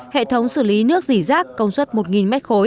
hệ thống xử lý nước dỉ rác công suất một m ba